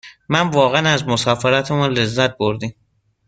ما واقعاً از مسافرتمان لذت بردیم.